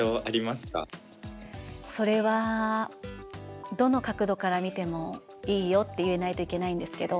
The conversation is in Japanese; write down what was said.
それはどの角度から見てもいいよって言えないといけないんですけど。